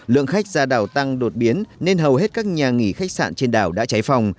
lượng khách ra đảo tăng đột biến nên hầu hết các nhà nghỉ khách sạn trên đảo đã cháy phòng